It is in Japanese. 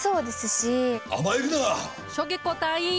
しょげこ隊員！